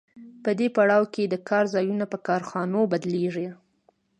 په دې پړاو کې د کار ځایونه په کارخانو بدلېږي